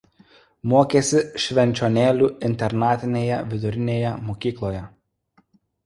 Mokėsi Švenčionėlių internatinėje vidurinėje mokykloje.